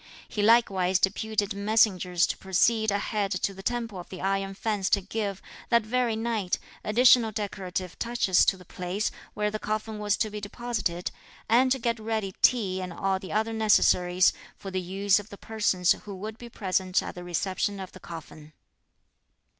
He likewise deputed messengers to proceed ahead to the Temple of the Iron Fence to give, that very night, additional decorative touches to the place where the coffin was to be deposited, and to get ready tea and all the other necessaries, for the use of the persons who would be present at the reception of the coffin.